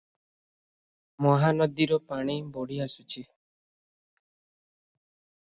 ମହାନଦୀର ପାଣି ବଢ଼ିଆସୁଛି ।